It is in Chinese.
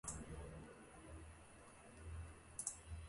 你看牛魔？